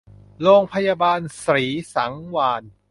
โรงพยาบาลศรีสังวาลย์